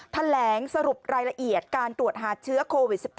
แถลงสรุปรายละเอียดการตรวจหาเชื้อโควิด๑๙